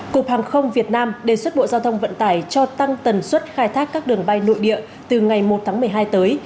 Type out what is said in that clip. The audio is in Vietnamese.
cục hàng không việt nam đề xuất bộ giao thông vận tải cho tăng tần suất khai thác các đường bay nội địa từ ngày một tháng một mươi hai tới